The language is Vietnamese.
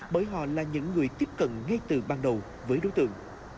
bởi họ là những người tiếp cận ngay từ ban đầu với đối tượng